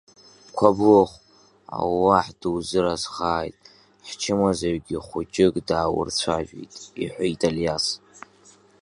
Қәаблыхә, аллаҳ дузыразхааит, ҳчымазаҩгьы хәыҷык дааурцәажәеит, – иҳәеит Алиас.